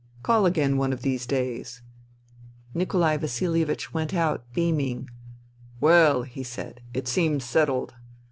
Call again one of these days." Nikolai Vasilievich went out, beaming. " Well," he said, " it seems settled."